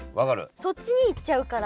そっちに行っちゃうから。